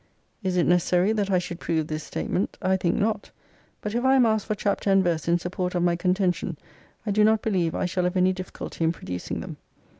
Is it necessary that I should prove this statement ? I think not ; but if I am asked for chapter and verse in support of my contention, I do not believe I shall have any difficulty in producing them.